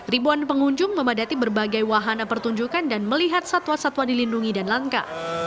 ribuan pengunjung memadati berbagai wahana pertunjukan dan melihat satwa satwa dilindungi dan langka